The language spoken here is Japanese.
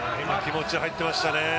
今、気持ち入ってましたね。